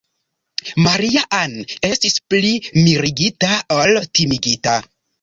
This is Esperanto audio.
Maria-Ann estis pli mirigita ol timigita.